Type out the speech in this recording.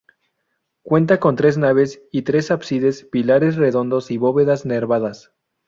Cuenta con tres naves y tres ábsides, pilares redondos y bóvedas nervadas.